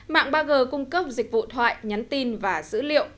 mạng ba g cung cấp dịch vụ thoại nhắn tin và dữ liệu